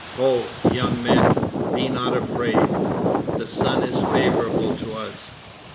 'Ho, young men, be not afraid. The Sun is favourable to us.